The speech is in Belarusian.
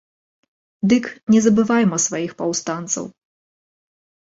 Дык не забывайма сваіх паўстанцаў!